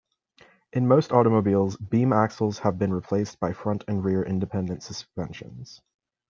In most automobiles, beam axles have been replaced by front and rear independent suspensions.